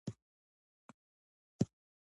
د پیسو مالکان ډله ډله بانک ته ځي